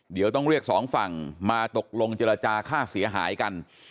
เดี๋ยวต้องเรียกสองฝั่งมาตกลงเจรจาค่าเสียหายกัน